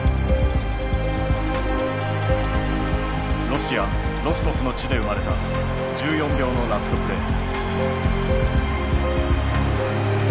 ロシア・ロストフの地で生まれた１４秒のラストプレー。